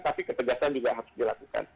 tapi ketegasan juga harus dilakukan